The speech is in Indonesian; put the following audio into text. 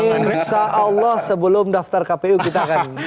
insya allah sebelum daftar kpu kita akan